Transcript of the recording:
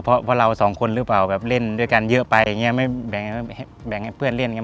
เพราะเราสองคนหรือเปล่าแบบเล่นด้วยกันเยอะไปอย่างนี้ไม่แบ่งให้เพื่อนเล่นกัน